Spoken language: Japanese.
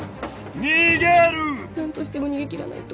何としても逃げ切らないと。